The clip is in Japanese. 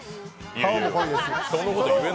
顔も濃いですし。